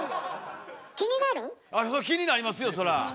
気になりますよそら！